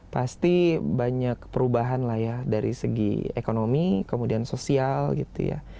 pasti banyak perubahan lah ya dari segi ekonomi kemudian sosial gitu ya